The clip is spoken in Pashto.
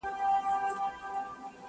o رسنۍ موضوع نړيواله کوي,